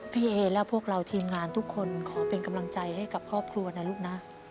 พี่เอและพวกเราทีมงานทุกคนขอเป็นกำลังใจให้กับครอบครัวนะลูกนะ